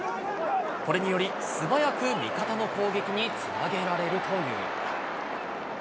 これにより、素早く味方の攻撃につなげられるという。